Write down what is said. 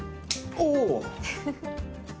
おお。